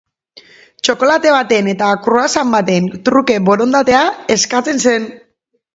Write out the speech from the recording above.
Txokolate baten eta croissant baten truke borondatea eskatzen zen.